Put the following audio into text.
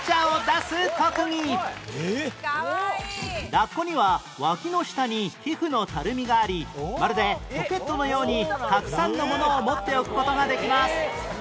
ラッコには脇の下に皮膚のたるみがありまるでポケットのようにたくさんのものを持っておく事ができます